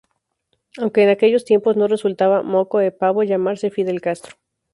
Aunque en aquellos tiempos no resultaba "moco ´e pavo" llamarse "Fidel Castro".